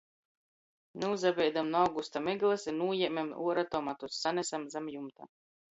Nūsabeidom nu augusta myglys i nūjēmem uora tomatus, sanesem zam jumta.